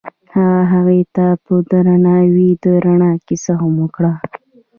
هغه هغې ته په درناوي د رڼا کیسه هم وکړه.